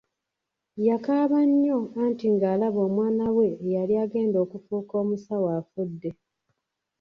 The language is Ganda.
Yakaaba nnyo anti nga alaba omwana we eyali agenda okufuuka omusawo afudde.